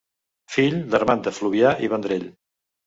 Fill d'Armand de Fluvià i Vendrell.